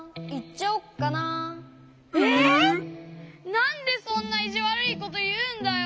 なんでそんないじわるいこというんだよ！